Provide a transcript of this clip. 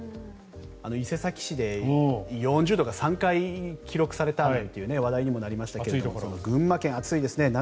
伊勢崎市で４０度が３回記録されたという話題にもなりましたが群馬県、暑いですね。